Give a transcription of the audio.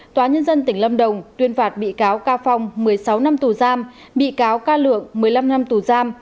tòa nhân dân tỉnh lâm đồng tuyên phạt bị cáo ca phong một mươi sáu năm tù giam bị cáo ca lượng một mươi năm năm tù giam